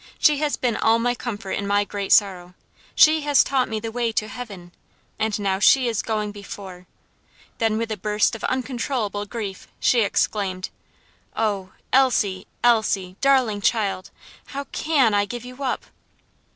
She has been all my comfort in my great sorrow; she has taught me the way to heaven, and now she is going before." Then, with a burst of uncontrollable grief, she exclaimed: "Oh, Elsie! Elsie! darling child! how can I give you up?"